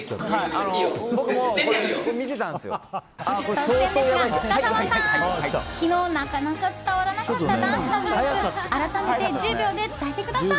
突然ですが、深澤さん昨日なかなか伝わらなかったダンスの魅力を改めて１０秒で伝えてください。